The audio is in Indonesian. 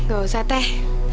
gak usah teh